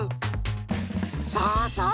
さあさあ